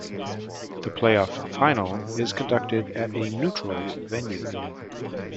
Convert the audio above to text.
The playoff final is conducted at a neutral venue.